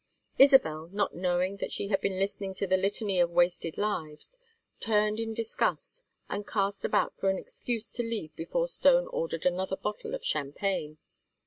Isabel, not knowing that she had been listening to the litany of wasted lives, turned in disgust and cast about for an excuse to leave before Stone ordered another bottle of champagne.